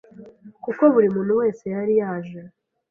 kuko buri muntu wese yari yaje